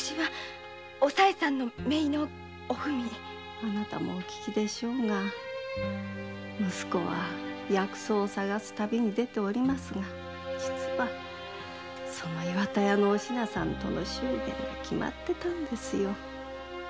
あなたもお聞きのとおり息子は薬草を探す旅に出ておりますが実はその岩田屋のお品さんとの祝言が決まっていたのですよ。